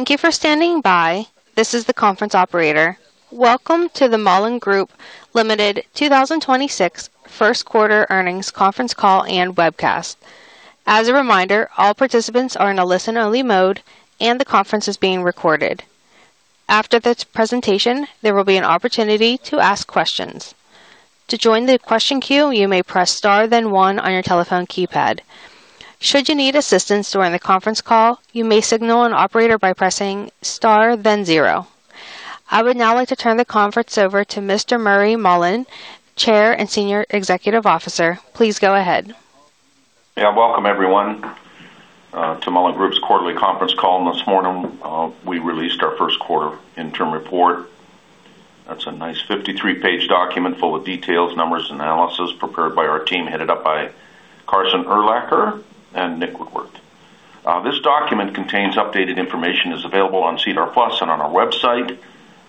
Thank you for standing by. This is the conference operator. Welcome to the Mullen Group Ltd. 2026 First Quarter Earnings Conference Call and Webcast. As a reminder, all participants are in a listen-only mode and the conference is being recorded. After this presentation, there will be an opportunity to ask questions. To join the question queue, you may press star then one on your telephone keypad. Should you need assistance during the conference call, you may signal an operator by pressing star then zero. I would now like to turn the conference over to Mr. Murray Mullen, Chair and Senior Executive Officer. Please go ahead. Yeah. Welcome, everyone, to Mullen Group's quarterly conference call this morning. We released our first quarter interim report. That's a nice 53-page document full of details, numbers, analysis prepared by our team, headed up by Carson Urlacher and Nik Woodworth. This document contains updated information, is available on SEDAR+ and on our website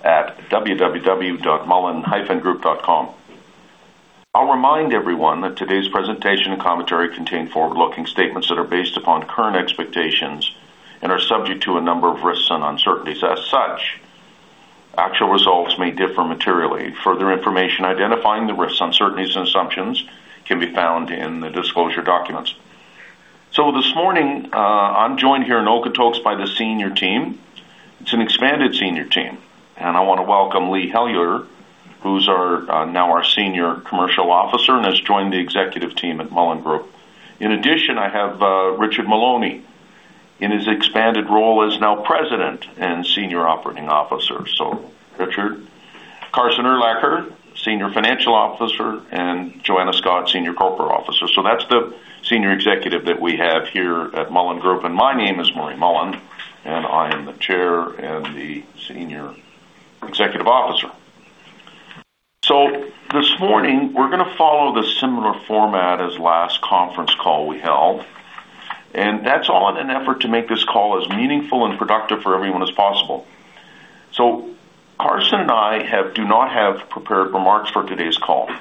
at www.mullen-group.com. I'll remind everyone that today's presentation and commentary contain forward-looking statements that are based upon current expectations and are subject to a number of risks and uncertainties. As such, actual results may differ materially. Further information identifying the risks, uncertainties and assumptions can be found in the disclosure documents. This morning, I'm joined here in Okotoks by the senior team. It's an expanded senior team, and I want to welcome Lee Hellyer, who's now our Senior Commercial Officer and has joined the executive team at Mullen Group. In addition, I have Richard Maloney in his expanded role as now President and Senior Operating Officer. Richard. Carson Urlacher, Senior Financial Officer, and Joanna Scott, Senior Corporate Officer. That's the senior executive that we have here at Mullen Group. My name is Murray Mullen, and I am the Chair and Senior Executive Officer. This morning, we're going to follow the similar format as last conference call we held, and that's all in an effort to make this call as meaningful and productive for everyone as possible. Carson and I do not have prepared remarks for today's call.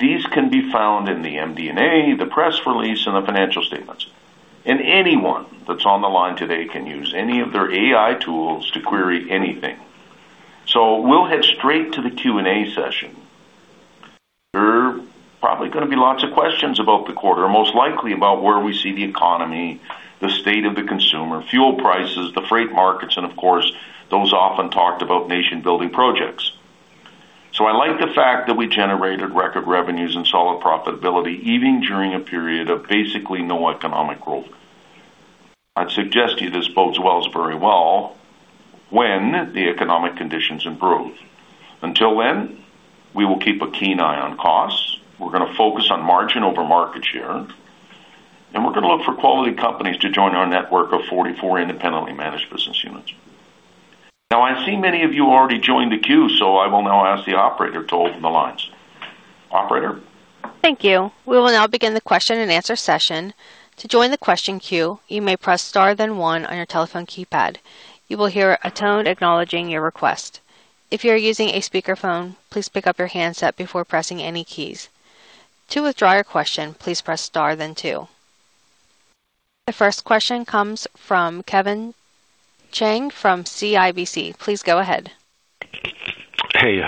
These can be found in the MD&A, the press release and the financial statements. Anyone that's on the line today can use any of their AI tools to query anything. We'll head straight to the Q&A session. There are probably going to be lots of questions about the quarter, most likely about where we see the economy, the state of the consumer, fuel prices, the freight markets and of course, those often talked about nation building projects. I like the fact that we generated record revenues and solid profitability, even during a period of basically no economic growth. I'd suggest to you this bodes well very well when the economic conditions improve. Until then, we will keep a keen eye on costs. We're going to focus on margin over market share, and we're going to look for quality companies to join our network of 44 independently managed business units. Now I see many of you already joined the queue, so I will now ask the operator to open the lines. Operator? Thank you. We will now begin the question and answer session. To join the question queue, you may press star then one on your telephone keypad. You will hear a tone acknowledging your request. If you are using a speakerphone, please pick up your handset before pressing any keys. To withdraw your question, please press star then two. The first question comes from Kevin Chiang from CIBC. Please go ahead. Hey.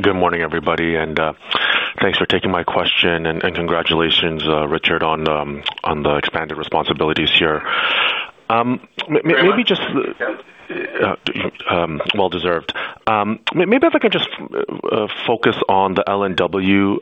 Good morning, everybody, and thanks for taking my question. Congratulations, Richard, on the expanded responsibilities here. Yeah. Well deserved. Maybe if I could just focus on the L&W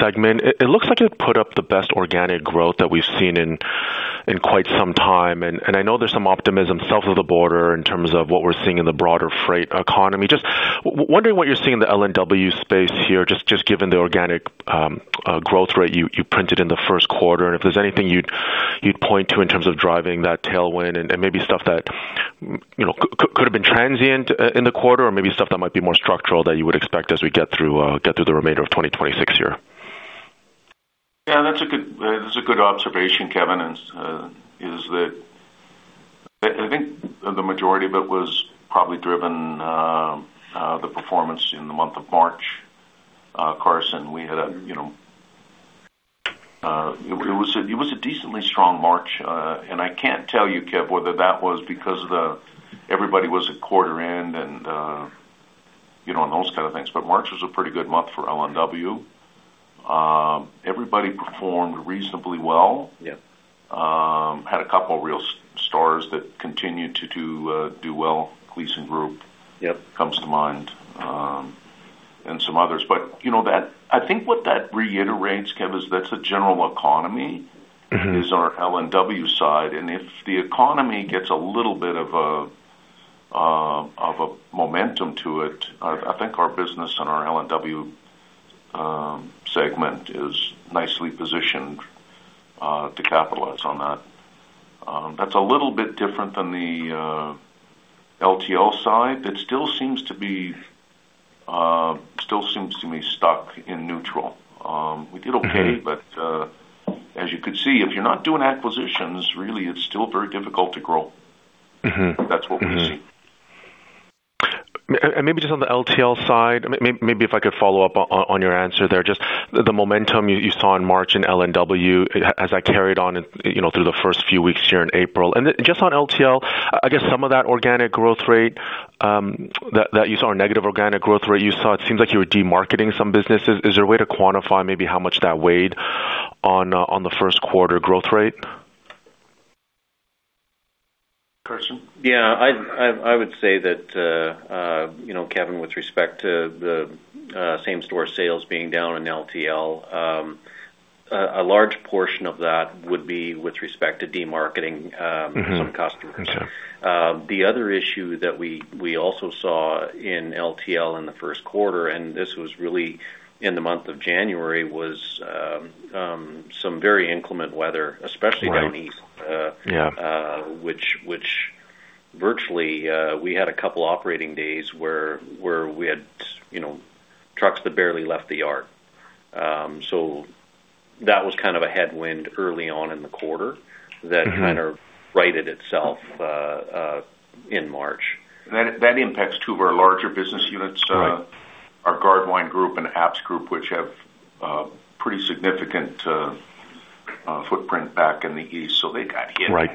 segment. It looks like it put up the best organic growth that we've seen in quite some time, and I know there's some optimism south of the border in terms of what we're seeing in the broader freight economy. Just wondering what you're seeing in the L&W space here, just given the organic growth rate you printed in the first quarter, and if there's anything you'd point to in terms of driving that tailwind and maybe stuff that could have been transient in the quarter or maybe stuff that might be more structural that you would expect as we get through the remainder of 2026 here? Yeah. That's a good observation, Kevin. I think the majority of it was probably driven by the performance in the month of March. Carson, it was a decently strong March. I can't tell you, Kev, whether that was because everybody was at quarter end and those kind of things. March was a pretty good month for L&W. Everybody performed reasonably well. Yeah. Had a couple of real stars that continued to do well. Gleason Group. Yep comes to mind, and some others. I think what that reiterates, Kev, is that's the general economy. Mm-hmm... is our L&W side. If the economy gets a little bit of a momentum to it, I think our business and our L&W segment is nicely positioned to capitalize on that. That's a little bit different than the LTL side that still seems to be stuck in neutral. We did okay, but as you could see, if you're not doing acquisitions, really, it's still very difficult to grow. Mm-hmm. That's what we see. Maybe just on the LTL side, maybe if I could follow up on your answer there, just the momentum you saw in March in L&W as that carried on through the first few weeks here in April. Just on LTL, I guess some of that organic growth rate that you saw, or negative organic growth rate you saw, it seems like you were demarketing some businesses. Is there a way to quantify maybe how much that weighed on the first quarter growth rate? Carson? Yeah. I would say that, Kevin, with respect to the same-store sales being down in LTL, a large portion of that would be with respect to demarketing some customers. Got you. The other issue that we also saw in LTL in the first quarter, and this was really in the month of January, was some very inclement weather, especially down east. Right. Yeah. Which virtually, we had a couple operating days where we had trucks that barely left the yard. That was kind of a headwind early on in the quarter that kind of righted itself in March. That impacts two of our larger business units. Right. Our Gardewine Group and APPS Group, which have a pretty significant footprint back in the east, so they got hit. Right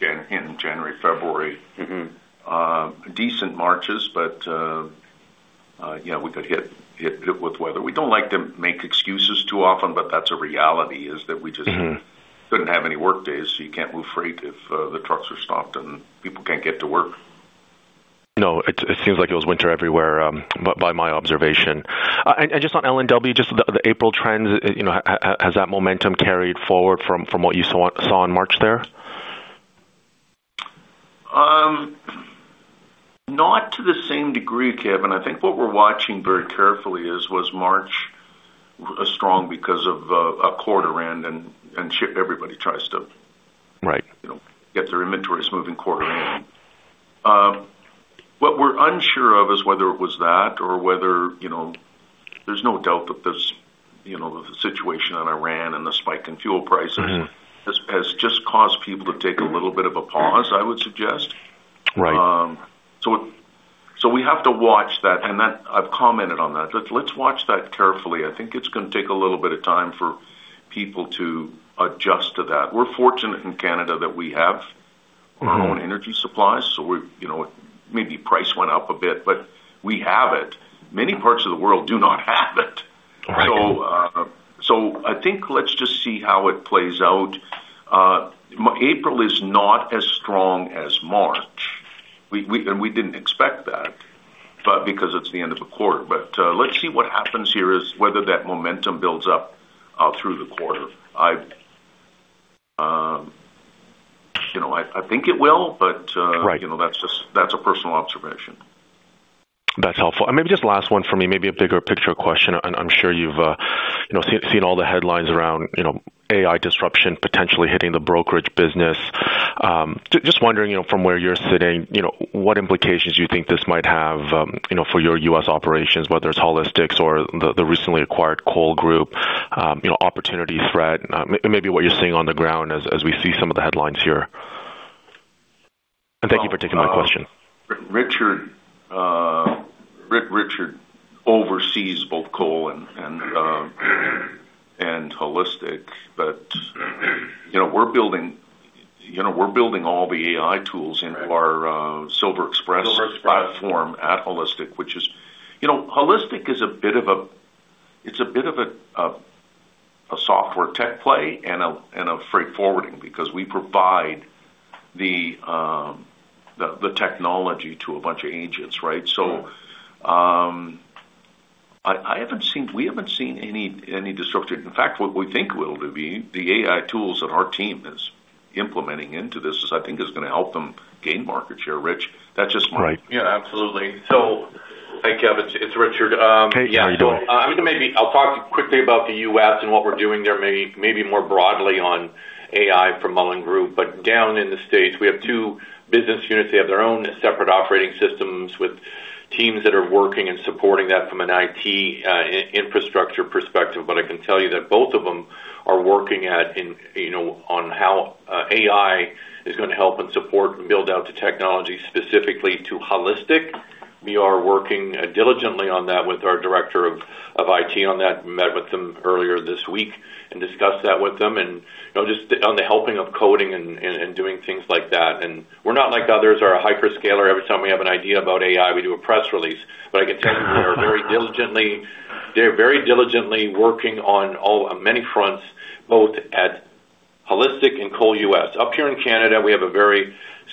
in January, February. Mm-hmm. Decent margins, but we got hit with weather. We don't like to make excuses too often, but that's a reality in that we just- Mm-hmm didn't have any work days, so you can't move freight if the trucks are stopped and people can't get to work. No, it seems like it was winter everywhere by my observation. Just on L&W, just the April trends, has that momentum carried forward from what you saw in March there? Not to the same degree, Kevin. I think what we're watching very carefully was March strong because of a quarter end and everybody tries to- Right. get their inventories moving quarter end. What we're unsure of is whether it was that. There's no doubt that the situation in Iran and the spike in fuel prices has just caused people to take a little bit of a pause, I would suggest. Right. We have to watch that, and I've commented on that. Let's watch that carefully. I think it's going to take a little bit of time for people to adjust to that. We're fortunate in Canada that we have our own energy supplies, so maybe price went up a bit, but we have it. Many parts of the world do not have it. Right. I think let's just see how it plays out. April is not as strong as March. We didn't expect that, but because it's the end of the quarter. Let's see what happens here is whether that momentum builds up through the quarter. I think it will. Right That's a personal observation. That's helpful. Maybe just last one for me, maybe a bigger picture question. I'm sure you've seen all the headlines around AI disruption potentially hitting the brokerage business. Just wondering, from where you're sitting, what implications you think this might have for your U.S. operations, whether it's Holistic or the recently acquired Cole Group, opportunity, threat, maybe what you're seeing on the ground as we see some of the headlines here. Thank you for taking my question. Richard oversees both Cole and Holistic. We're building all the AI tools into our Silver Express platform at Holistic, which is Holistic. It's a bit of a software tech play and a freight forwarding, because we provide the technology to a bunch of agents, right? Mm-hmm. We haven't seen any disruption. In fact, what we think will be the AI tools that our team is implementing into this, I think, is going to help them gain market share, Rich. That's just my- Right. Yeah, absolutely. Hi, Kev, it's Richard. Hey, how you doing? I'll talk quickly about the U.S. and what we're doing there, maybe more broadly on AI for Mullen Group. Down in the States, we have two business units. They have their own separate operating systems with teams that are working and supporting that from an IT infrastructure perspective. I can tell you that both of them are working on how AI is going to help and support the build-out to technology, specifically to Holistic. We are working diligently on that with our director of IT on that. We met with them earlier this week and discussed that with them and just on the helping of coding and doing things like that. We're not like others or a hyperscaler. Every time we have an idea about AI, we do a press release. I can tell you they're very diligently working on many fronts, both at Holistic and Cole US. Up here in Canada, we have a very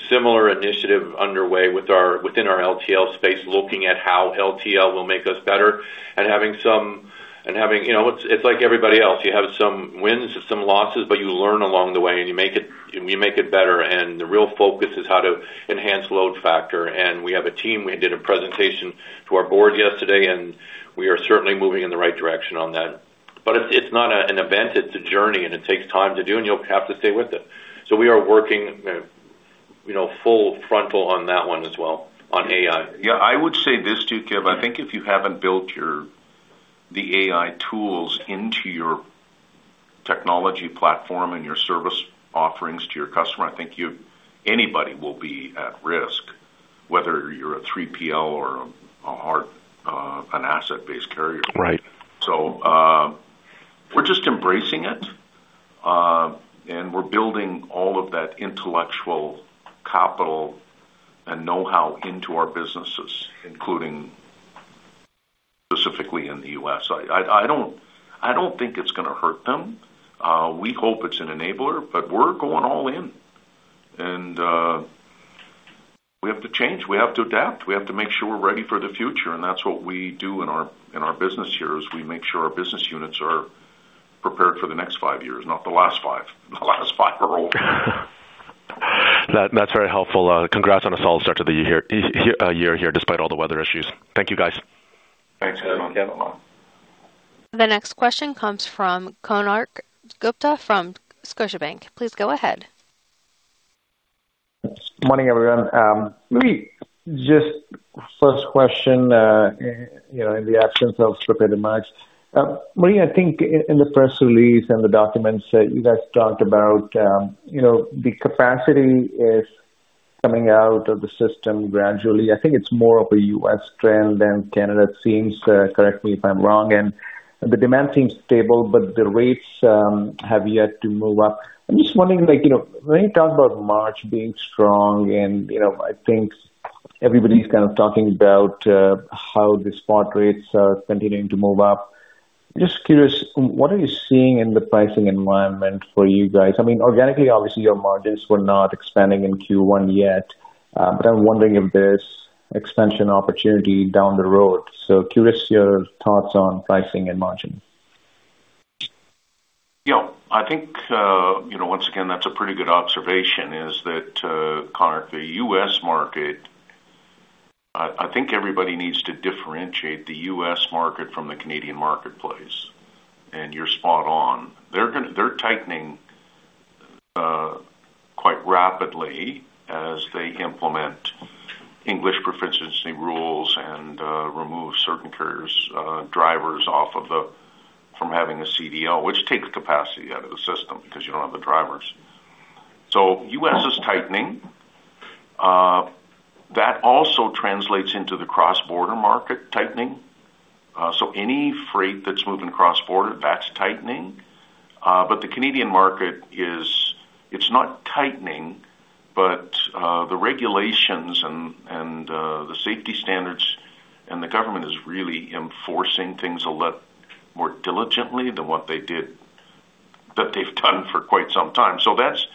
similar initiative underway within our LTL space, looking at how LTL will make us better. It's like everybody else. You have some wins, some losses, but you learn along the way, and you make it better, and the real focus is how to enhance load factor. We have a team. We did a presentation to our board yesterday, and we are certainly moving in the right direction on that. It's not an event. It's a journey, and it takes time to do, and you'll have to stay with it. We are working full frontal on that one as well, on AI. Yeah, I would say this, too, Kev. I think if you haven't built the AI tools into your technology platform and your service offerings to your customer, I think anybody will be at risk, whether you're a 3PL or an asset-based carrier. Right. We're just embracing it, and we're building all of that intellectual capital and know-how into our businesses, including specifically in the U.S. I don't think it's going to hurt them. We hope it's an enabler, but we're going all in. We have to change. We have to adapt. We have to make sure we're ready for the future. That's what we do in our business here, is we make sure our business units are prepared for the next five years, not the last five. The last five are over. That's very helpful. Congrats on a solid start to the year here, despite all the weather issues. Thank you, guys. Thanks, Kevin Chiang. The next question comes from Konark Gupta from Scotiabank. Please go ahead. Morning, everyone. Maybe just first question, in the absence of a filip in March. Murray, I think in the press release and the documents that you guys talked about, the capacity is coming out of the system gradually. I think it's more of a U.S. trend than Canada seems, correct me if I'm wrong, and the demand seems stable, but the rates have yet to move up. I'm just wondering, when you talk about March being strong, and I think everybody's kind of talking about how the spot rates are continuing to move up. Just curious, what are you seeing in the pricing environment for you guys? I mean, organically, obviously your margins were not expanding in Q1 yet. But I'm wondering if there's expansion opportunity down the road. Curious your thoughts on pricing and margin. I think, once again, that's a pretty good observation is that, Konark, the US market. I think everybody needs to differentiate the US market from the Canadian marketplace, and you're spot on. They're tightening quite rapidly as they implement English proficiency rules and remove certain carriers, drivers off from having a CDL, which takes capacity out of the system because you don't have the drivers. U.S. is tightening. That also translates into the cross-border market tightening. Any freight that's moving cross-border, that's tightening. The Canadian market, it's not tightening, but the regulations and the safety standards and the government is really enforcing things a lot more diligently than what they've done for quite some time. That's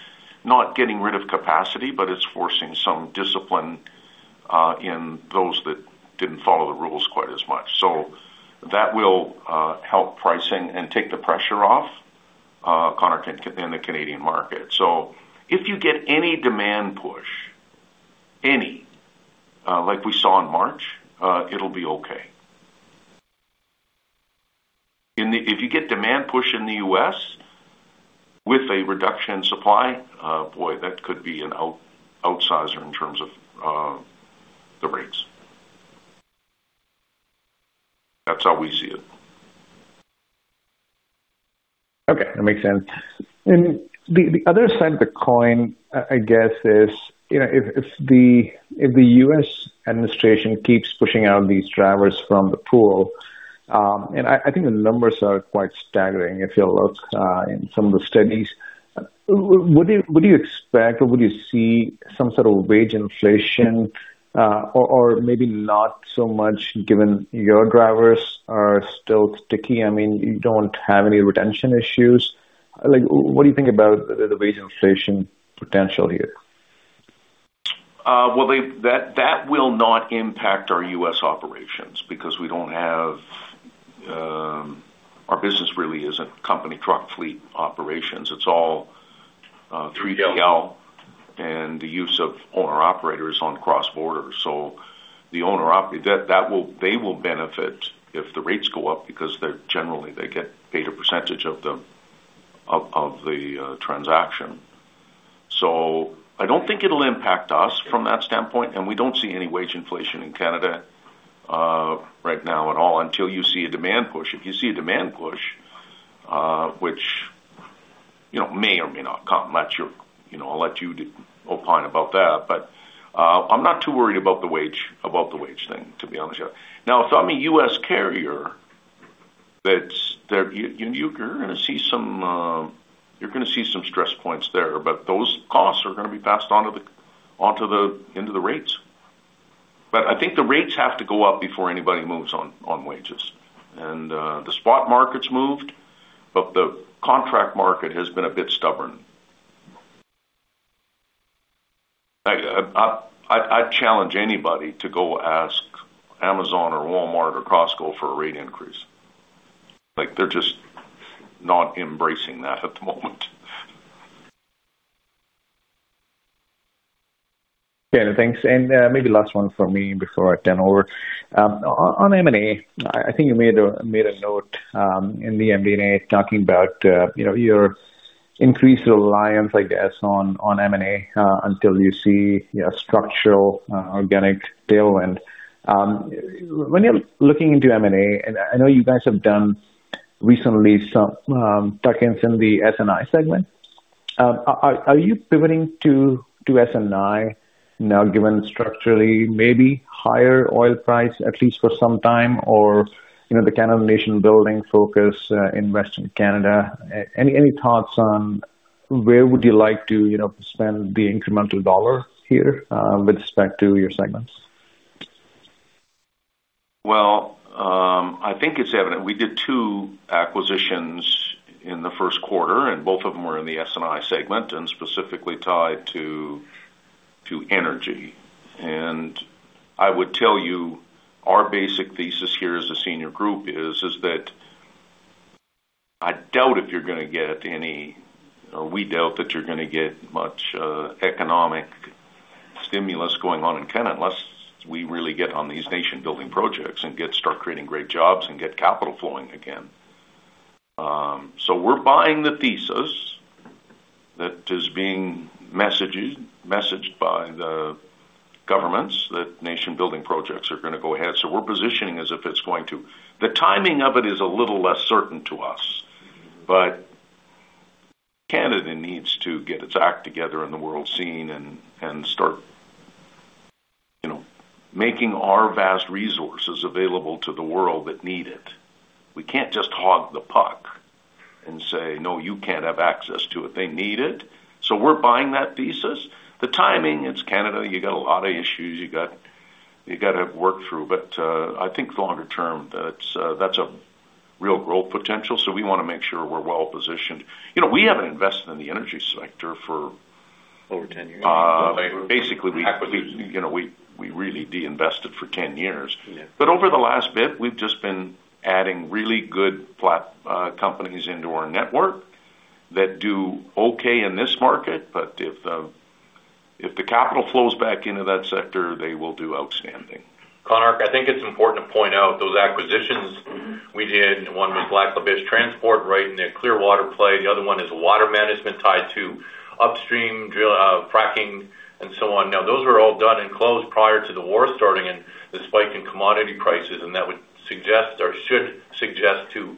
not getting rid of capacity, but it's forcing some discipline in those that didn't follow the rules quite as much. that will help pricing and take the pressure off, Konark, in the Canadian market. If you get any demand push, any, like we saw in March, it'll be okay. If you get demand push in the U.S. with a reduction in supply, boy, that could be an outsize in terms of the rates. That's how we see it. Okay. That makes sense. The other side of the coin, I guess is, if the U.S. administration keeps pushing out these drivers from the pool, and I think the numbers are quite staggering if you look in some of the studies. Would you expect or would you see some sort of wage inflation, or maybe not so much given your drivers are still sticky? I mean, you don't have any retention issues. What do you think about the wage inflation potential here? Well, that will not impact our U.S. operations because we don't have. Our business really isn't company truck fleet operations. It's all 3PL and the use of owner-operators on cross-border. They will benefit if the rates go up because they're generally, they get paid a percentage of the transaction. I don't think it'll impact us from that standpoint. We don't see any wage inflation in Canada right now at all until you see a demand push. If you see a demand push, which may or may not come, I'll let you opine about that, but I'm not too worried about the wage thing, to be honest with you. Now, if I'm a U.S. carrier, you're going to see some stress points there, but those costs are going to be passed into the rates. I think the rates have to go up before anybody moves on wages. The spot market's moved, but the contract market has been a bit stubborn. I'd challenge anybody to go ask Amazon or Walmart or Costco for a rate increase. They're just not embracing that at the moment. Yeah. Thanks. Maybe last one for me before I turn over. On M&A, I think you made a note in the MD&A talking about your increased reliance, I guess, on M&A, until you see structural organic tailwind. When you're looking into M&A, and I know you guys have done recently some tuck-ins in the S&I segment. Are you pivoting to S&I now, given structurally maybe higher oil price, at least for some time, or the Canadian nation-building focus in Western Canada? Any thoughts on where would you like to spend the incremental dollar here with respect to your segments? Well, I think it's evident. We did two acquisitions in the first quarter, and both of them were in the S&I segment, and specifically tied to energy. I would tell you our basic thesis here as a senior group is that I doubt if you're going to get any or we doubt that you're going to get much economic stimulus going on in Canada unless we really get on these nation-building projects and start creating great jobs and get capital flowing again. We're buying the thesis that is being messaged by the governments that nation-building projects are going to go ahead. We're positioning as if it's going to. The timing of it is a little less certain to us. Canada needs to get its act together in the world scene and start making our vast resources available to the world that need it. We can't just hog the puck and say, "No, you can't have access to it." They need it. We're buying that thesis. The timing, it's Canada. You got a lot of issues you got to work through. I think longer term, that's a real growth potential. We want to make sure we're well positioned. We haven't invested in the energy sector for- Over 10 years. Basically, we really de-invested for 10 years. Yeah. Over the last bit, we've just been adding really good companies into our network that do okay in this market. If the capital flows back into that sector, they will do outstanding. Konark, I think it's important to point out those acquisitions we did. One was Black Label Transport right in the Clearwater play. The other one is water management tied to upstream fracking and so on. Now, those were all done and closed prior to the war starting and the spike in commodity prices. That would suggest or should suggest to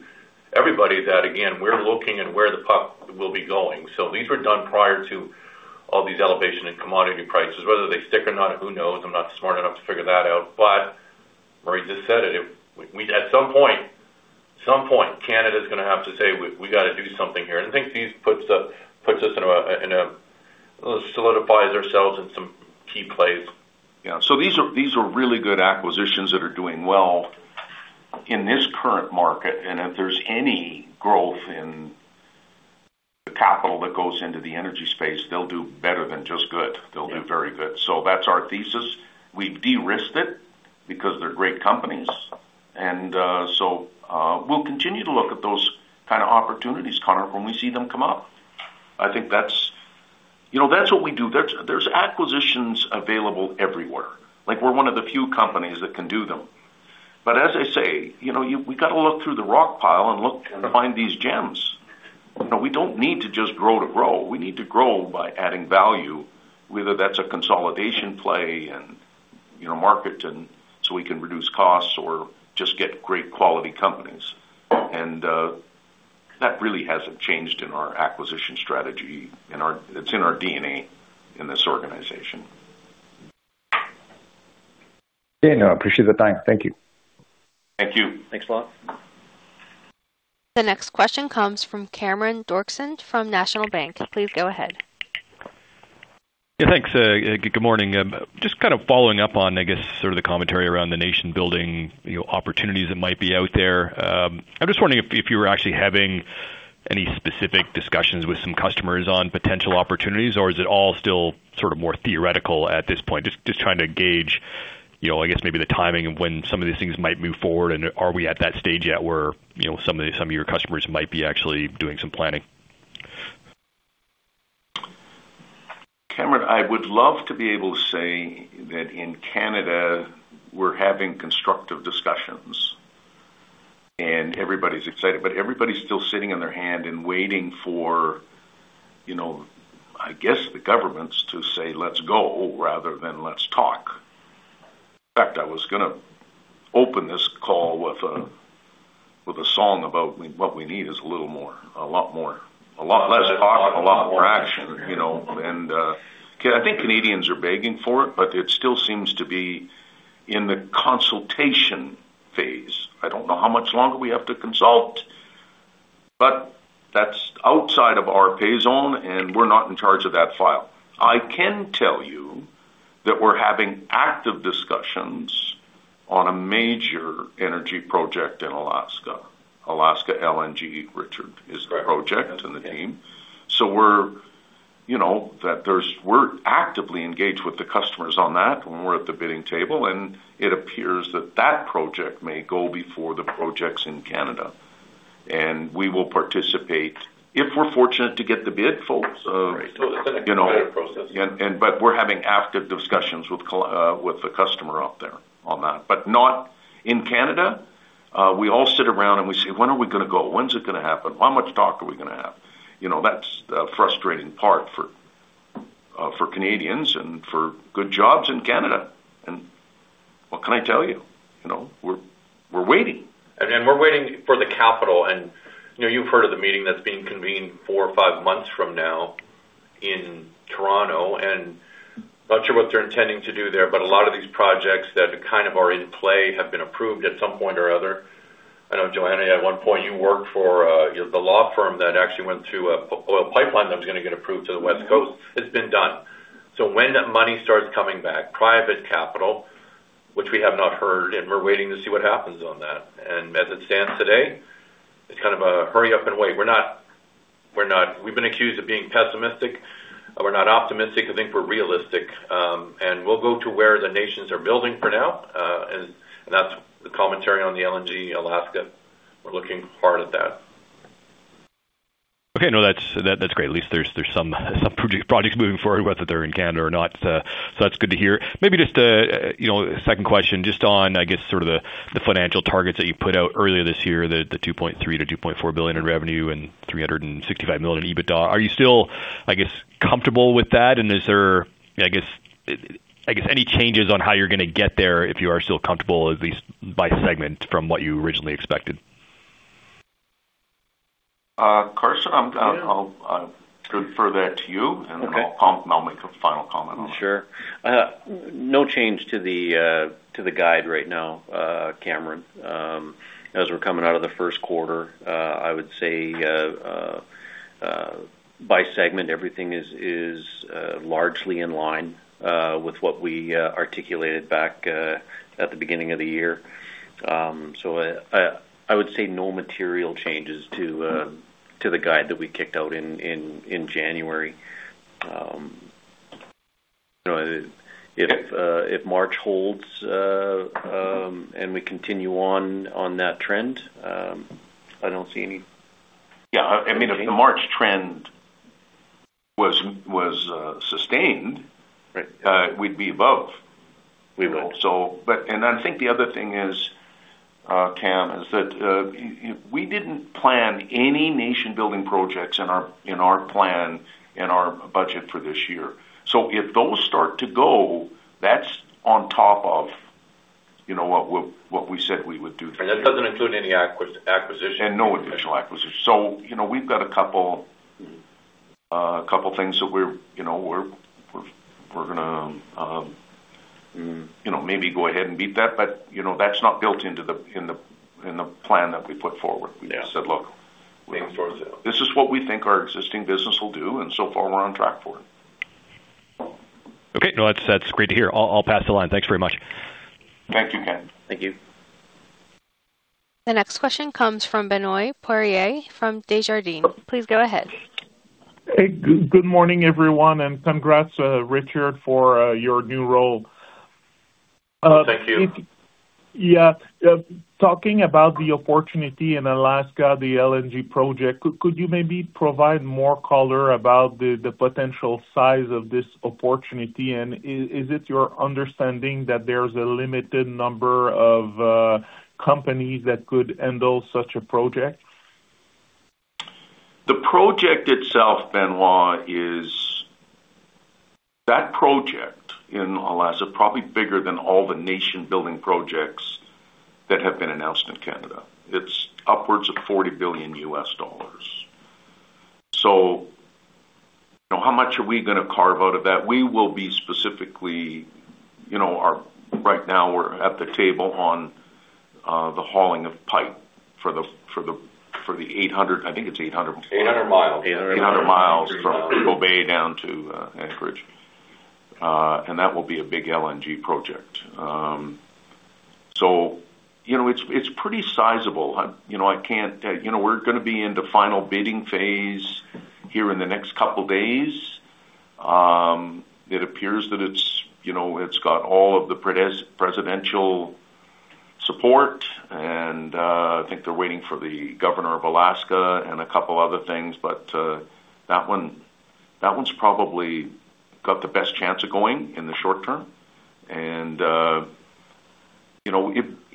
everybody that, again, we're looking at where the puck will be going. These were done prior to all these elevation in commodity prices. Whether they stick or not, who knows? I'm not smart enough to figure that out. Murray just said it. At some point, Canada's going to have to say, "We got to do something here." I think this solidifies ourselves in some key plays. Yeah. These are really good acquisitions that are doing well in this current market. If there's any growth in the capital that goes into the energy space, they'll do better than just good. They'll do very good. That's our thesis. We've de-risked it because they're great companies. We'll continue to look at those kind of opportunities, Konark, when we see them come up. That's what we do. There's acquisitions available everywhere. We're one of the few companies that can do them. As I say, we got to look through the rock pile and look and find these gems. We don't need to just grow to grow. We need to grow by adding value, whether that's a consolidation play in a market so we can reduce costs or just get great quality companies. That really hasn't changed in our acquisition strategy. It's in our DNA in this organization. Okay. No, I appreciate the time. Thank you. Thank you. Thanks a lot. The next question comes from Cameron Doerksen from National Bank Financial. Please go ahead. Yeah, thanks. Good morning. Just kind of following up on, I guess, sort of the commentary around the nation-building opportunities that might be out there. I'm just wondering if you were actually having any specific discussions with some customers on potential opportunities, or is it all still sort of more theoretical at this point? Just trying to gauge, I guess maybe the timing of when some of these things might move forward, and are we at that stage yet where some of your customers might be actually doing some planning? Cameron, I would love to be able to say that in Canada, we're having constructive discussions, and everybody's excited. Everybody's still sitting on their hands and waiting for, I guess, the governments to say, "Let's go," rather than, "Let's talk." In fact, I was going to open this call with a song about what we need is a little more, a lot more. A lot less talk, a lot more action. I think Canadians are begging for it, but it still seems to be in the consultation phase. I don't know how much longer we have to consult, but that's outside of our pay grade, and we're not in charge of that file. I can tell you that we're having active discussions on a major energy project in Alaska. Alaska LNG, Richard, is the project and the team. We're actively engaged with the customers on that, and we're at the bidding table, and it appears that that project may go before the projects in Canada. We will participate if we're fortunate to get the bid for- Still in the bidding process. We're having active discussions with the customer out there on that. Not in Canada. We all sit around and we say, "When are we going to go? When's it going to happen? How much talk are we going to have?" That's the frustrating part for Canadians and for good jobs in Canada. What can I tell you? We're waiting. We're waiting for the capital. You've heard of the meeting that's being convened four or five months from now in Toronto, and not sure what they're intending to do there, but a lot of these projects that are in play have been approved at some point or other. I know, Joanna, at one point, you worked for the law firm that actually went through a pipeline that was going to get approved to the West Coast. It's been done. When that money starts coming back, private capital, which we have not heard, and we're waiting to see what happens on that. As it stands today, it's kind of a hurry up and wait. We've been accused of being pessimistic. We're not optimistic. I think we're realistic. We'll go to where the nations are building for now. That's the commentary on the Alaska LNG. We're looking hard at that. Okay. No, that's great. At least there's some projects moving forward, whether they're in Canada or not. That's good to hear. Maybe just a second question just on, I guess, sort of the financial targets that you put out earlier this year, the 2.3 billion-2.4 billion in revenue and 365 million in EBITDA. Are you still, I guess, comfortable with that? And is there, I guess, any changes on how you're going to get there, if you are still comfortable, at least by segment, from what you originally expected? Carson, I'll defer that to you. Okay. I'll make a final comment on that. Sure. No change to the guide right now, Cameron. As we're coming out of the first quarter, I would say, by segment, everything is largely in line with what we articulated back at the beginning of the year. I would say no material changes to the guide that we kicked out in January. If March holds, and we continue on that trend, I don't see any. Yeah, if the March trend was sustained. Right We'd be above. We would. I think the other thing is, Cam, is that we didn't plan any nation-building projects in our plan, in our budget for this year. If those start to go, that's on top of what we said we would do. That doesn't include any acquisitions. No additional acquisitions. We've got a couple things that we're going to maybe go ahead and beat that, but that's not built into the plan that we put forward. Yeah. We just said, look. Lean toward it. This is what we think our existing business will do, and so far, we're on track for it. Okay. No, that's great to hear. I'll pass the line. Thanks very much. Thank you, Cam. Thank you. The next question comes from Benoit Poirier from Desjardins. Please go ahead. Hey, good morning, everyone, and congrats, Richard, for your new role. Thank you. Yeah. Talking about the opportunity in Alaska, the LNG project, could you maybe provide more color about the potential size of this opportunity? And is it your understanding that there's a limited number of companies that could handle such a project? The project itself, Benoit, is that project in Alaska, probably bigger than all the nation-building projects that have been announced in Canada. It's upwards of $40 billion. How much are we going to carve out of that? We will be specifically. Right now, we're at the table on the hauling of pipe for the 800, I think it's 800. 800 mi. 800 mi from Cook Inlet down to Anchorage. That will be a big LNG project. It's pretty sizable. We're going to be in the final bidding phase here in the next couple of days. It appears that it's got all of the presidential support, and I think they're waiting for the Governor of Alaska and a couple of other things. That one's probably got the best chance of going in the short term.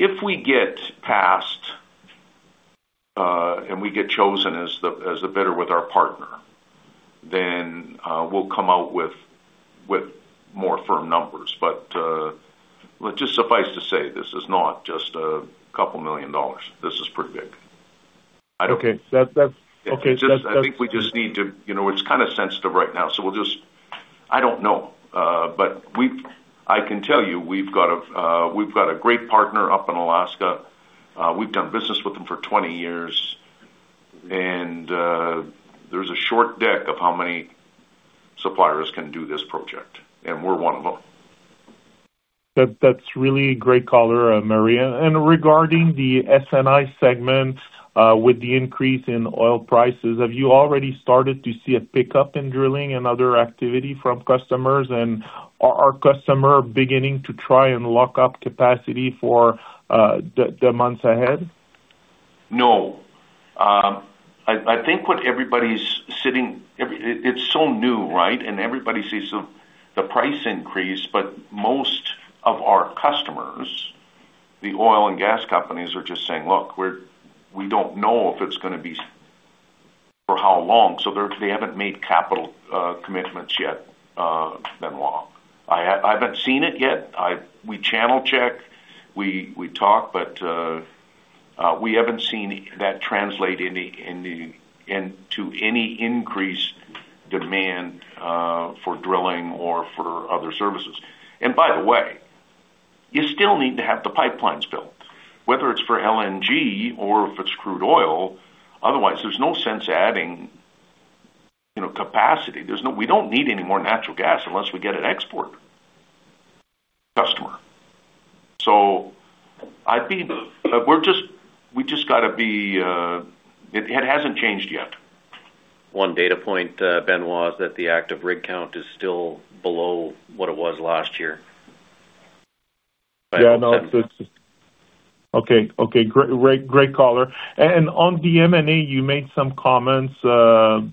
If we get past and we get chosen as the bidder with our partner, then we'll come out with more firm numbers. Just suffice to say, this is not just $2 million. This is pretty big. Okay. It's kind of sensitive right now, so we'll just. I don't know. I can tell you, we've got a great partner up in Alaska. We've done business with them for 20 years. There's a short deck of how many suppliers can do this project, and we're one of them. That's really great color, Murray. Regarding the S&I segment, with the increase in oil prices, have you already started to see a pickup in drilling and other activity from customers? Are customers beginning to try and lock up capacity for the months ahead? No. It's so new, right? Everybody sees the price increase, but most of our customers, the oil and gas companies, are just saying, "Look, we don't know if it's going to be for how long." They haven't made capital commitments yet, Benoit. I haven't seen it yet. We channel check, we talk, but we haven't seen that translate into any increased demand for drilling or for other services. By the way, you still need to have the pipelines built, whether it's for LNG or if it's crude oil. Otherwise there's no sense adding capacity. We don't need any more natural gas unless we get an export customer. It hasn't changed yet. One data point, Benoit, is that the active rig count is still below what it was last year. Yeah. No. Okay. Great caller. On the M&A, you made some comments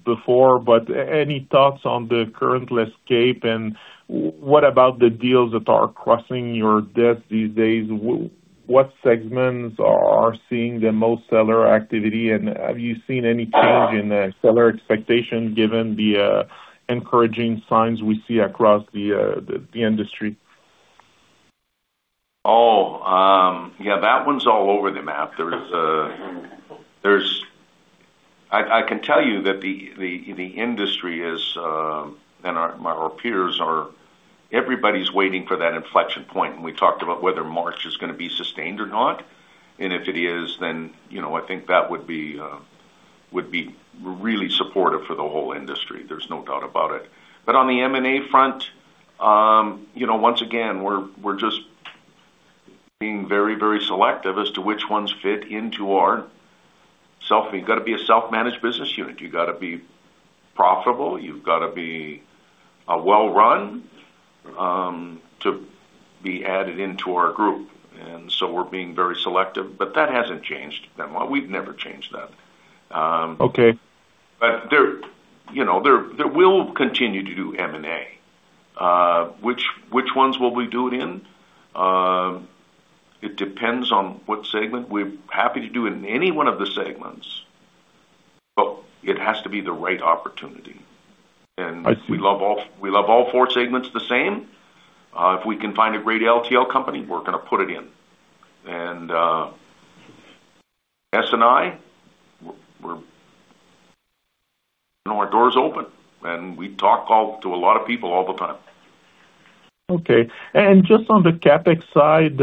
before, but any thoughts on the current landscape and what about the deals that are crossing your desk these days? What segments are seeing the most seller activity, and have you seen any change in seller expectation given the encouraging signs we see across the industry? Oh, yeah, that one's all over the map. I can tell you that the industry is, and our peers are. Everybody's waiting for that inflection point, and we talked about whether March is going to be sustained or not. If it is, then I think that would be really supportive for the whole industry. There's no doubt about it. On the M&A front, once again, we're just being very selective as to which ones fit into ourselves. You've got to be a self-managed business unit. You've got to be profitable. You've got to be well run to be added into our group. We're being very selective, but that hasn't changed, Benoit. We've never changed that. Okay. We'll continue to do M&A. Which ones will we do it in? It depends on what segment. We're happy to do it in any one of the segments, but it has to be the right opportunity. I see. We love all four segments the same. If we can find a great LTL company, we're going to put it in. S&I, our door is open, and we talk to a lot of people all the time. Okay. Just on the CapEx side,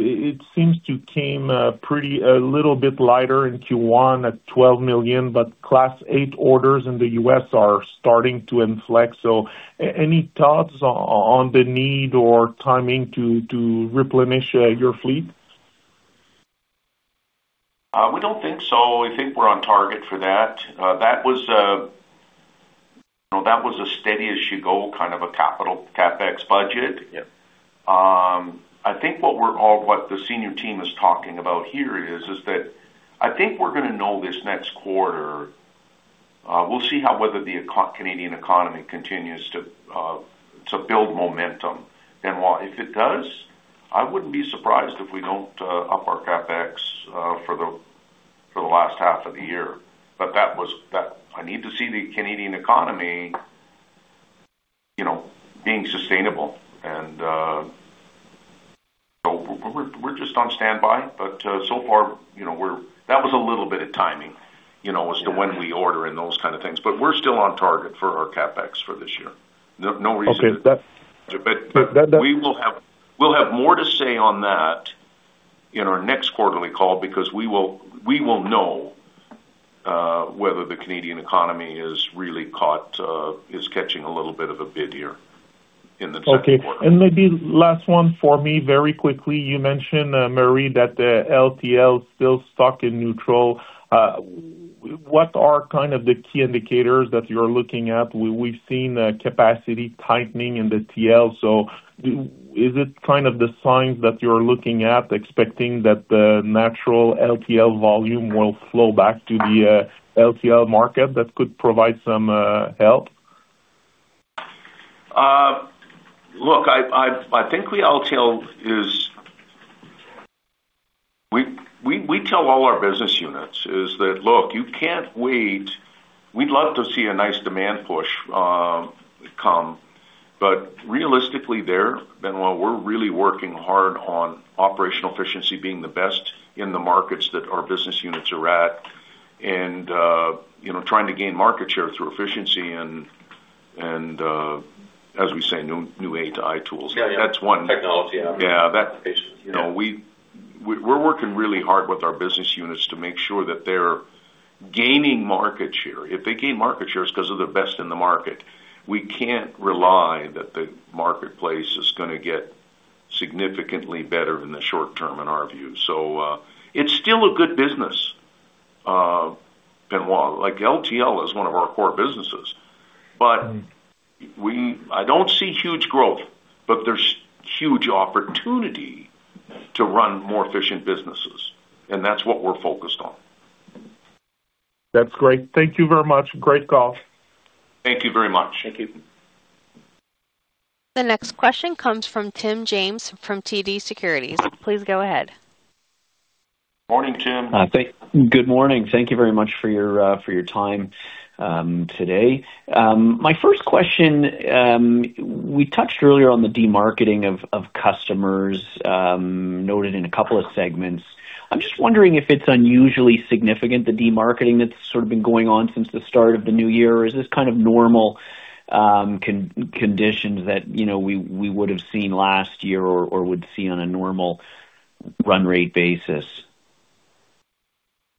it seems to come a little bit lighter in Q1 at 12 million, but Class 8 orders in the U.S. are starting to inflect. Any thoughts on the need or timing to replenish your fleet? We don't think so. We think we're on target for that. That was a steady as she goes kind of a capital CapEx budget. Yeah. I think what the senior team is talking about here is that I think we're going to know this next quarter. We'll see whether the Canadian economy continues to build momentum. Benoit, if it does, I wouldn't be surprised if we don't up our CapEx for the last half of the year. I need to see the Canadian economy being sustainable. We're just on standby. So far, that was a little bit of timing as to when we order and those kind of things. We're still on target for our CapEx for this year. No reason. Okay. We'll have more to say on that in our next quarterly call because we will know whether the Canadian economy is catching a little bit of a bid here in the second quarter. Okay. Maybe last one for me, very quickly. You mentioned, Murray, that the LTL still stuck in neutral. What are kind of the key indicators that you're looking at? We've seen capacity tightening in the TL, so is it kind of the signs that you're looking at expecting that the natural LTL volume will flow back to the LTL market that could provide some help? We tell all our business units is that, "Look, you can't wait. We'd love to see a nice demand push come, but realistically there, Benoit, we're really working hard on operational efficiency being the best in the markets that our business units are at, and trying to gain market share through efficiency and as we say, new AI tools. Yeah. That's one. Technology. Yeah. We're working really hard with our business units to make sure that they're gaining market share. If they gain market share, it's because they're the best in the market. We can't rely that the marketplace is going to get significantly better in the short term, in our view. It's still a good business, Benoit. Like LTL is one of our core businesses. I don't see huge growth, but there's huge opportunity to run more efficient businesses, and that's what we're focused on. That's great. Thank you very much. Great call. Thank you very much. Thank you. The next question comes from Tim James from TD Securities. Please go ahead. Morning, Tim. Good morning. Thank you very much for your time today. My first question, we touched earlier on the demarketing of customers noted in a couple of segments. I'm just wondering if it's unusually significant, the demarketing that's sort of been going on since the start of the new year. Is this kind of normal conditions that we would have seen last year or would see on a normal run rate basis?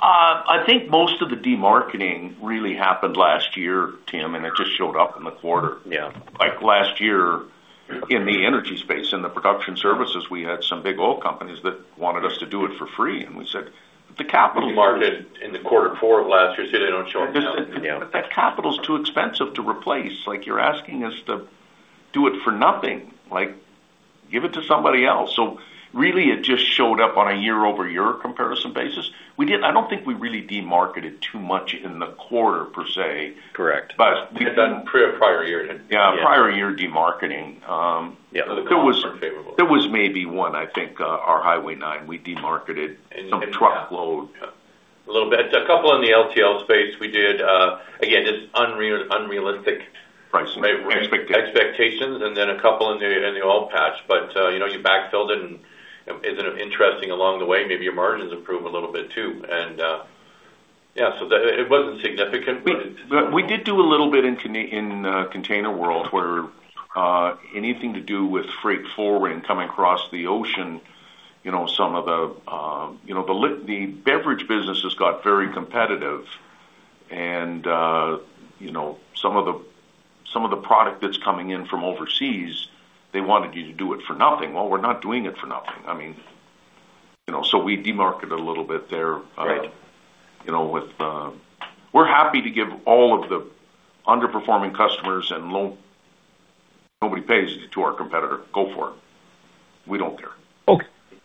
I think most of the demarketing really happened last year, Tim, and it just showed up in the quarter. Yeah. Like last year in the energy space, in the production services, we had some big oil companies that wanted us to do it for free, and we said the capital. Demarketing in the quarter four of last year, so they don't show up now. That capital is too expensive to replace. Like you're asking us to do it for nothing, like give it to somebody else. Really it just showed up on a YoY comparison basis. I don't think we really demarketed too much in the quarter per se. Correct. We did. We had that prior year then. Yeah. Prior year demarketing. Yeah. The comps are favorable. There was maybe one, I think, our Hi-Way 9, we demarketed some truckload. A little bit. A couple in the LTL space we did. Again, just unrealistic. Pricing. expectations, and then a couple in the oil patch. You backfilled it, and isn't it interesting along the way, maybe your margins improve a little bit too. Yeah. It wasn't significant, but it- We did do a little bit in ContainerWorld where anything to do with freight forwarding coming across the ocean. The beverage business has got very competitive and some of the product that's coming in from overseas, they wanted you to do it for nothing. Well, we're not doing it for nothing. We demarketed a little bit there. Right. We're happy to give all of the underperforming customers and load nobody pays to our competitor. Go for it. We don't care.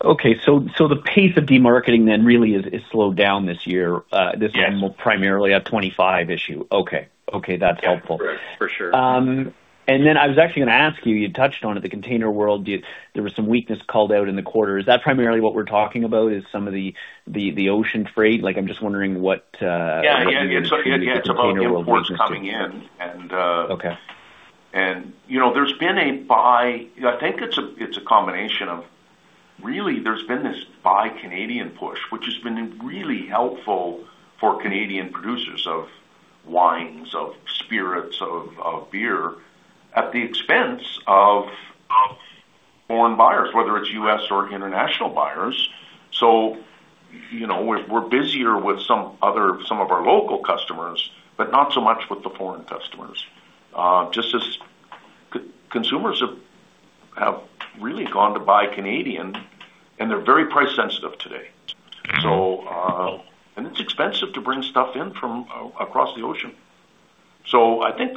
Okay, the pace of demarketing then really is slowed down this year. Yes. This one will primarily be a 2025 issue. Okay. That's helpful. For sure. I was actually going to ask you touched on it, the ContainerWorld, there was some weakness called out in the quarter. Is that primarily what we're talking about is some of the ocean freight? Like, I'm just wondering what- Yeah. ContainerWorld weakness is. It's about imports coming in, and. Okay. I think it's a combination of really there's been this buy Canadian push, which has been really helpful for Canadian producers of wines, of spirits, of beer at the expense of foreign buyers, whether it's U.S. or international buyers. We're busier with some of our local customers, but not so much with the foreign customers. Just as consumers have really gone to buy Canadian and they're very price sensitive today. It's expensive to bring stuff in from across the ocean. I think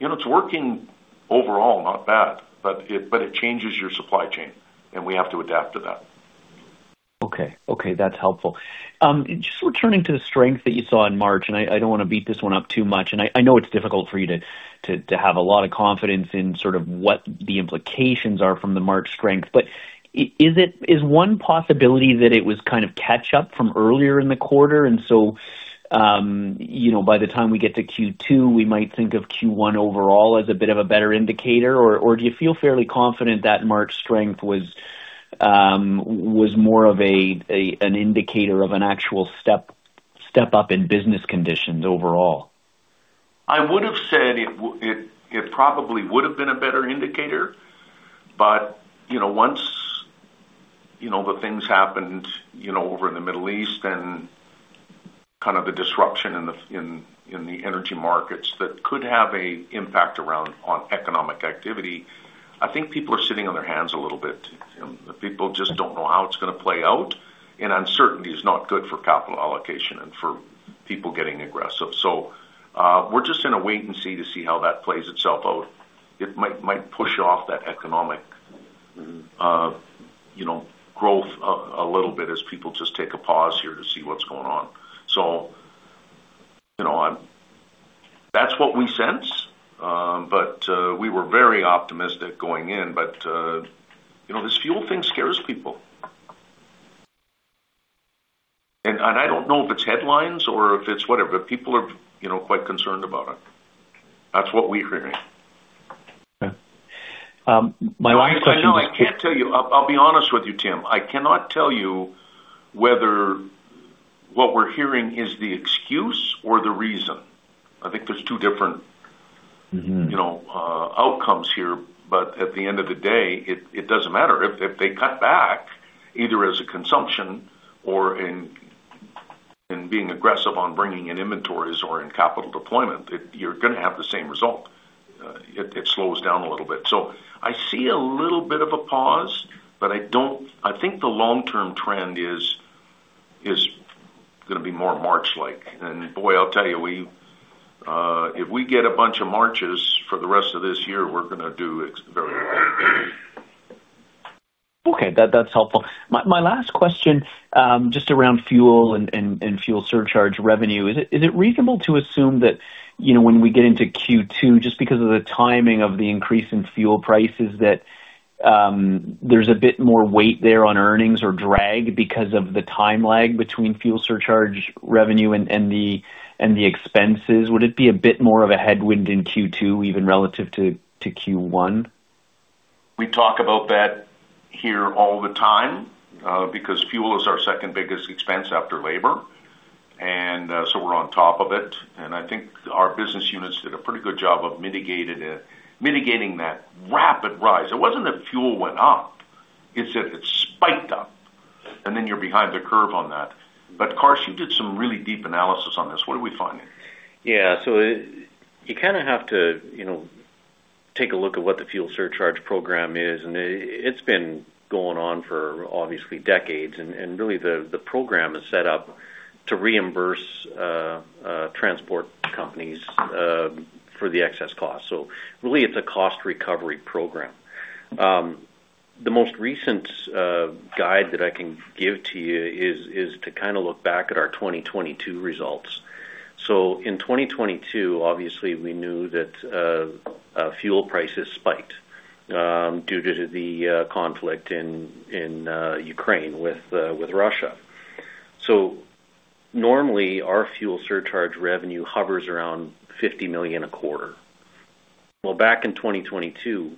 it's working overall, not bad, but it changes your supply chain, and we have to adapt to that. Okay. That's helpful. Just returning to the strength that you saw in March, and I don't want to beat this one up too much, and I know it's difficult for you to have a lot of confidence in sort of what the implications are from the March strength. Is one possibility that it was kind of catch up from earlier in the quarter, and so by the time we get to Q2, we might think of Q1 overall as a bit of a better indicator, or do you feel fairly confident that March strength was more of an indicator of an actual step up in business conditions overall? I would have said it probably would have been a better indicator. Once the things happened over in the Middle East and kind of the disruption in the energy markets that could have an impact around on economic activity, I think people are sitting on their hands a little bit. The people just don't know how it's going to play out. Uncertainty is not good for capital allocation and for people getting aggressive. We're just going to wait and see to see how that plays itself out. It might push off that economic growth a little bit as people just take a pause here to see what's going on. That's what we sense, but we were very optimistic going in. This fuel thing scares people. I don't know if it's headlines or if it's whatever, but people are quite concerned about it. That's what we're hearing. Okay. My last question. I can't tell you. I'll be honest with you, Tim. I cannot tell you whether what we're hearing is the excuse or the reason. I think there's two different outcomes here. At the end of the day, it doesn't matter. If they cut back, either as a consumption or in being aggressive on bringing in inventories or in capital deployment, you're going to have the same result. It slows down a little bit. I see a little bit of a pause, but I think the long-term trend is going to be more March-like. Boy, I'll tell you, if we get a bunch of Marches for the rest of this year, we're going to do very well. Okay, that's helpful. My last question, just around fuel and fuel surcharge revenue. Is it reasonable to assume that when we get into Q2, just because of the timing of the increase in fuel prices, that there's a bit more weight there on earnings or drag because of the time lag between fuel surcharge revenue and the expenses? Would it be a bit more of a headwind in Q2 even relative to Q1? We talk about that here all the time, because fuel is our second biggest expense after labor. We're on top of it. I think our business units did a pretty good job of mitigating that rapid rise. It wasn't that fuel went up, it's that it spiked up, and then you're behind the curve on that. Carson, you did some really deep analysis on this. What did we find? Yeah. You have to take a look at what the fuel surcharge program is. It's been going on for, obviously, decades. Really the program is set up to reimburse transport companies for the excess cost. Really, it's a cost recovery program. The most recent guide that I can give to you is to look back at our 2022 results. In 2022, obviously, we knew that fuel prices spiked due to the conflict in Ukraine with Russia. Normally, our fuel surcharge revenue hovers around 50 million a quarter. Well, back in 2022,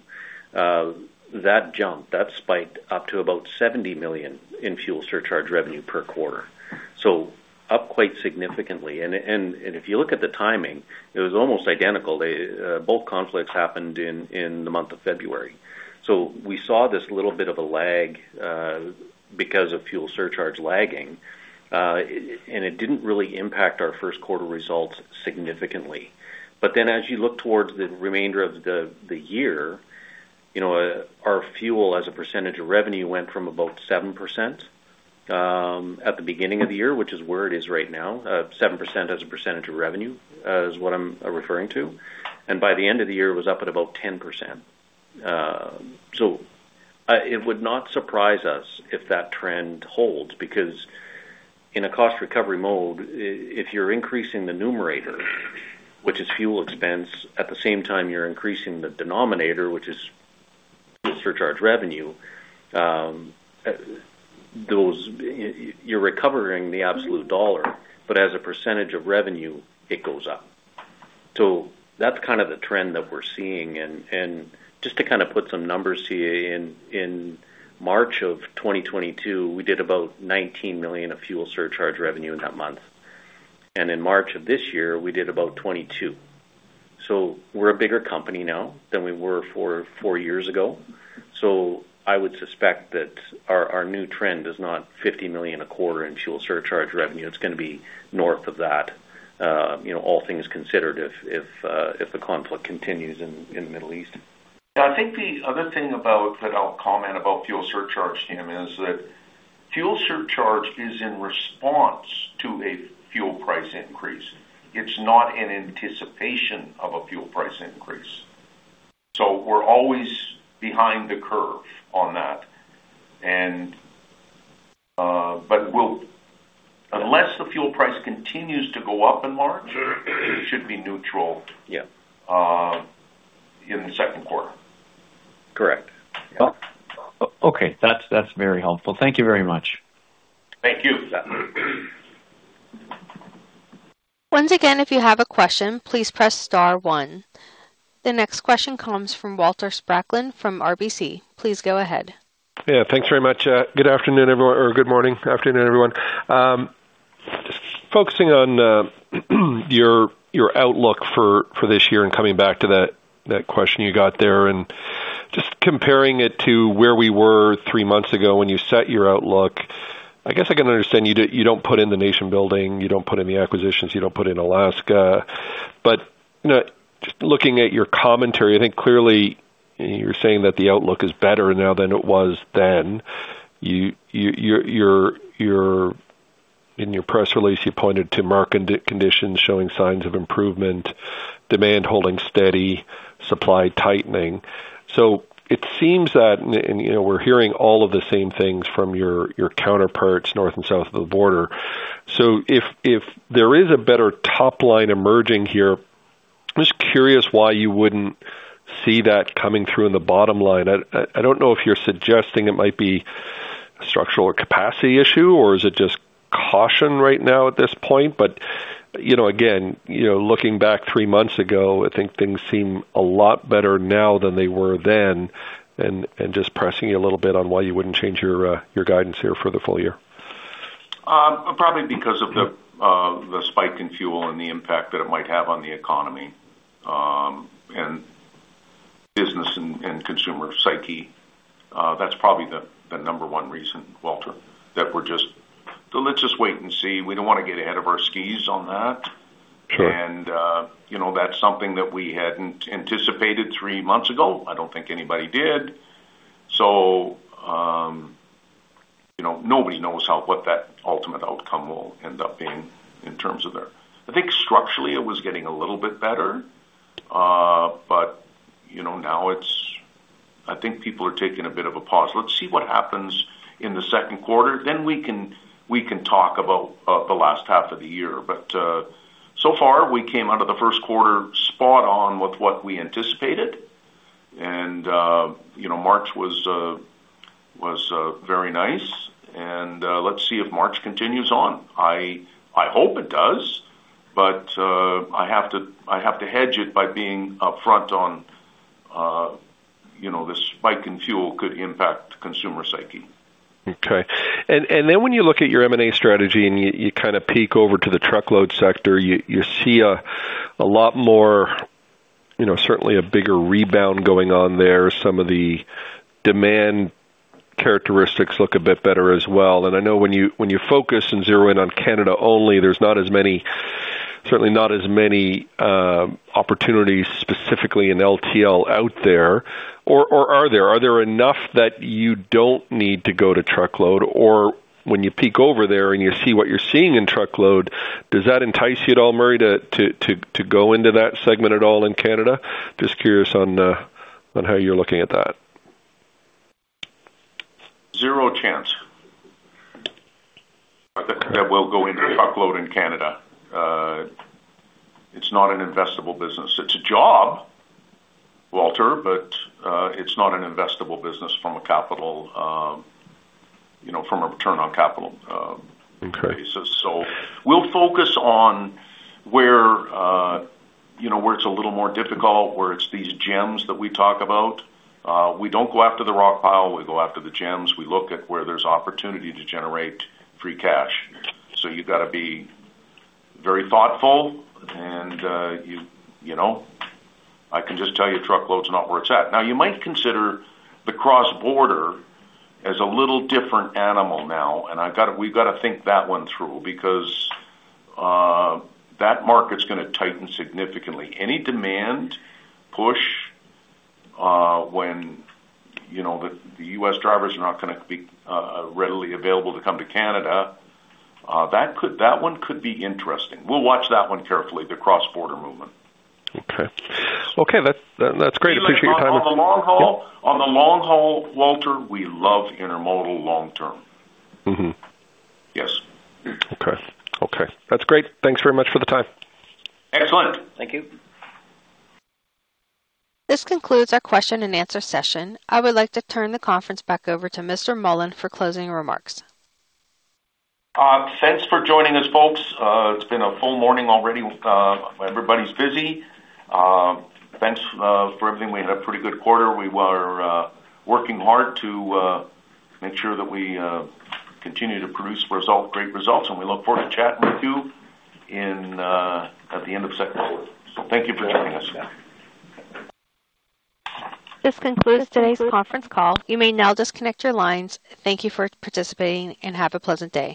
that jumped. That spiked up to about 70 million in fuel surcharge revenue per quarter. Up quite significantly. If you look at the timing, it was almost identical. Both conflicts happened in the month of February. We saw this little bit of a lag because of fuel surcharge lagging. It didn't really impact our first quarter results significantly. As you look towards the remainder of the year, our fuel as a percentage of revenue went from about 7% at the beginning of the year, which is where it is right now. 7% as a percentage of revenue is what I'm referring to. By the end of the year, it was up at about 10%. It would not surprise us if that trend holds, because in a cost recovery mode, if you're increasing the numerator, which is fuel expense, at the same time you're increasing the denominator, which is fuel surcharge revenue, you're recovering the absolute dollar. As a percentage of revenue, it goes up. That's the trend that we're seeing. Just to put some numbers to you, in March of 2022, we did about 19 million of fuel surcharge revenue in that month. In March of this year, we did about 22 million. We're a bigger company now than we were four years ago. I would suspect that our new trend is not 50 million a quarter in fuel surcharge revenue. It's going to be north of that all things considered, if the conflict continues in the Middle East. I think the other thing that I'll comment about fuel surcharge, Tim, is that fuel surcharge is in response to a fuel price increase. It's not in anticipation of a fuel price increase. We're always behind the curve on that. Unless the fuel price continues to go up in March, it should be neutral- Yeah In the second quarter. Correct. Okay. That's very helpful. Thank you very much. Thank you. Once again, if you have a question, please press star one. The next question comes from Walter Spracklin from RBC. Please go ahead. Yeah. Thanks very much. Good afternoon, everyone. Or good morning. Afternoon, everyone. Just focusing on your outlook for this year and coming back to that question you got there and just comparing it to where we were three months ago when you set your outlook. I guess I can understand you don't put in the nation building, you don't put in the acquisitions, you don't put in Alaska. Just looking at your commentary, I think clearly you're saying that the outlook is better now than it was then. In your press release, you pointed to market conditions showing signs of improvement, demand holding steady, supply tightening. It seems that, and we're hearing all of the same things from your counterparts north and south of the border. If there is a better top line emerging here, just curious why you wouldn't see that coming through in the bottom line? I don't know if you're suggesting it might be a structural or capacity issue, or is it just caution right now at this point? Again, looking back three months ago, I think things seem a lot better now than they were then. Just pressing you a little bit on why you wouldn't change your guidance here for the full year. Probably because of the spike in fuel and the impact that it might have on the economy, and business and consumer psyche. That's probably the number one reason, Walter. That we're just, "Let's just wait and see." We don't want to get ahead of our skis on that. Sure. That's something that we hadn't anticipated three months ago. I don't think anybody did. Nobody knows what that ultimate outcome will end up being in terms of their. I think structurally it was getting a little bit better. Now I think people are taking a bit of a pause. Let's see what happens in the second quarter, then we can talk about the last half of the year. So far, we came out of the first quarter spot on with what we anticipated. March was very nice. Let's see if March continues on. I hope it does, but I have to hedge it by being upfront on the spike in fuel could impact consumer psyche. Okay. Then when you look at your M&A strategy and you kind of peek over to the truckload sector, you see a lot more, certainly a bigger rebound going on there. Some of the demand characteristics look a bit better as well. I know when you focus and zero in on Canada only, there's certainly not as many opportunities specifically in LTL out there. Or are there? Are there enough that you don't need to go to truckload? Or when you peek over there and you see what you're seeing in truckload, does that entice you at all, Murray, to go into that segment at all in Canada? Just curious on how you're looking at that. Zero chance that we'll go into truckload in Canada. It's not an investable business. It's a job, Walter, but it's not an investable business from a return on capital basis. Okay. We'll focus on where it's a little more difficult, where it's these gems that we talk about. We don't go after the rock pile, we go after the gems. We look at where there's opportunity to generate free cash. You've got to be very thoughtful, and I can just tell you, truckload's not where it's at. Now, you might consider the cross-border as a little different animal now, and we've got to think that one through, because that market's going to tighten significantly. Any demand push when the U.S. drivers are not going to be readily available to come to Canada, that one could be interesting. We'll watch that one carefully, the cross-border movement. Okay. That's great. I appreciate your time. On the long haul, Walter, we love intermodal long term. Mm-hmm. Yes. Okay. That's great. Thanks very much for the time. Excellent. Thank you. This concludes our question and answer session. I would like to turn the conference back over to Mr. Mullen for closing remarks. Thanks for joining us, folks. It's been a full morning already. Everybody's busy. Thanks for everything. We had a pretty good quarter. We were working hard to make sure that we continue to produce great results, and we look forward to chatting with you at the end of second quarter. Thank you for joining us. This concludes today's conference call. You may now disconnect your lines. Thank you for participating, and have a pleasant day.